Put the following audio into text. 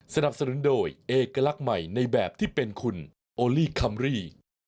สนับสนุนโดยเอกลักษณ์ใหม่ในแบบที่เป็นคุณโอลี่คัมรี่